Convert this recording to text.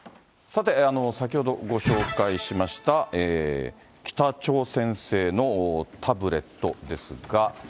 さて、先ほどご紹介しました、北朝鮮製のタブレットですが。